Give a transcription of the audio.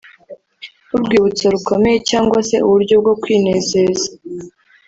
nk’urwibutso rukomeye cyangwa se uburyo bwo kwinezeza